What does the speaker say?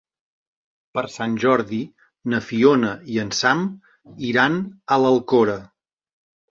Per Sant Jordi na Fiona i en Sam iran a l'Alcora.